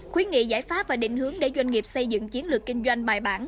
khuyến nghị giải pháp và định hướng để doanh nghiệp xây dựng chiến lược kinh doanh bài bản